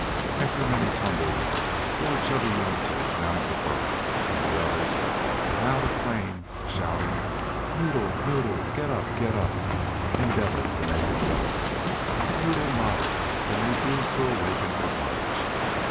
After many tumbles four chubby youngsters mounted the burro; and the others, with loud acclaim, shouting, "Noddle, Noddle, getup! getup!" endeavored to make him go. But Noddle nodded and refused to awaken or budge.